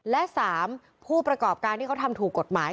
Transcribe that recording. และ๓ผู้ประกอบการที่เขาทำถูกกฎหมาย